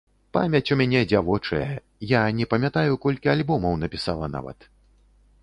Памяць у мяне дзявочая, я не памятаю, колькі альбомаў напісала, нават.